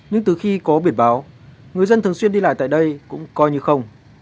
nhưng từ khi có biển báo người dân thường xuyên đi lại tại đây cũng coi như không